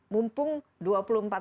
mumpung dua puluh empat